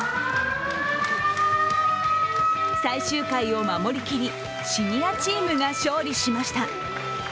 最終回を守りきり、シニアチームが勝利しました。